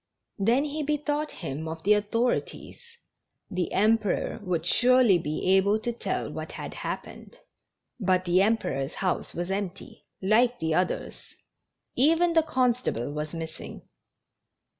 Then he be thought him of the authorities; the Emperor would surely be able to tell what had happened. But the Emper or's house was empty, like the others! Even the con stable was missing!